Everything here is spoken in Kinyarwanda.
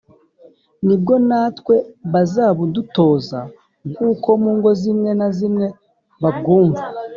Ni bwo natwe bazabudutoza nk’uko mu ngo zimwe na zimwe babwumva